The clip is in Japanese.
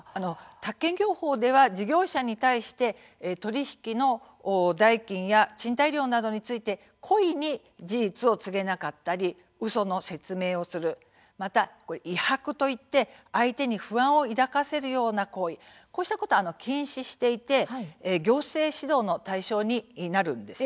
宅建業法では事業者に対して取り引きの代金や賃貸料などについて故意に事実を告げなかったりうその説明をする、また、威迫といって相手に不安を抱かせるような行為こうした行為は禁止していて行政指導の対象になります。